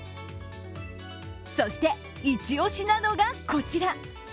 そして、一押しなのがこちら。